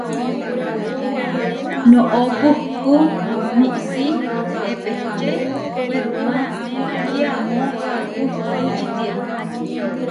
Noʼó puhkú miísi epečé werumá kiamó puhkú čitiá.